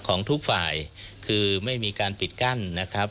ของทุกฝ่ายคือไม่มีการปิดกั้นนะครับ